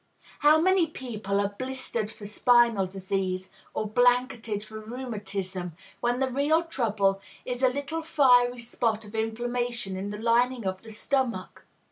How many people are blistered for spinal disease, or blanketed for rheumatism, when the real trouble is a little fiery spot of inflammation in the lining of the stomach!